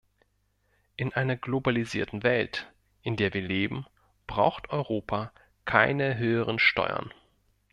In einer globalisierten Welt, in der wir leben, braucht Europa keine höheren Steuern.